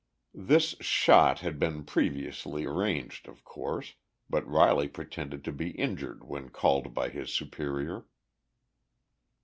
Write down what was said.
This "shot" had been previously arranged, of course, but Riley pretended to be injured when called by his superior.